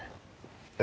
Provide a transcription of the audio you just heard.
「え